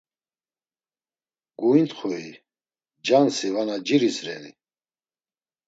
Guintxui, cansi vana nciris reni?